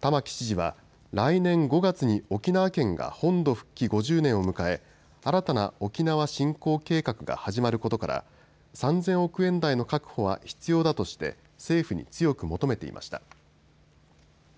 玉城知事は来年５月に沖縄県が本土復帰５０年を迎え新たな沖縄振興計画が始まることから３０００億円台の確保は必要だとして政府に強く求めていました。